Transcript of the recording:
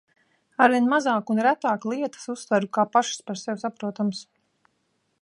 Arvien mazāk un retāk lietas uztveru kā pašas par sevi saprotamas.